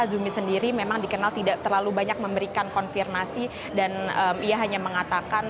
zumi sendiri memang dikenal tidak terlalu banyak memberikan konfirmasi dan ia hanya mengatakan